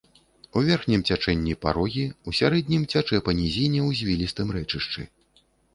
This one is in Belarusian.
У верхнім цячэнні парогі, у сярэднім цячэ па нізіне ў звілістым рэчышчы.